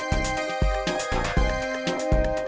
terus kita gimana